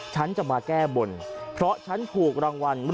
ฉันจะมาแก้บนเพราะฉันถูกรางวัล